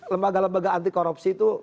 lembaga lembaga anti korupsi itu